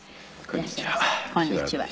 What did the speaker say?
こんにちは。